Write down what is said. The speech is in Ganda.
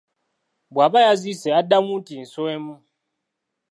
Bw'aba yazisse addamu nti nswemu.